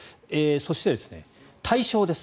そして、対象です。